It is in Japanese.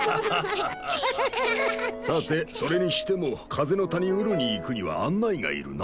さてそれにしても風の谷ウルに行くには案内が要るなあ。